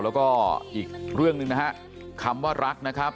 แล้วก็อีกเรื่องหนึ่งนะฮะคำว่ารักนะครับ